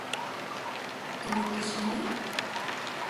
¿Timotixili?